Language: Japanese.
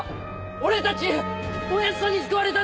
俺たちおやじさんに救われたんだ。